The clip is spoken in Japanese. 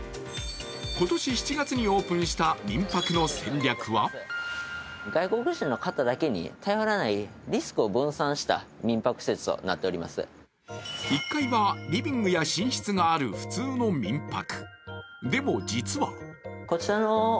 今年７月にオープンした民泊の戦略は１階は、リビングや寝室がある普通の民泊。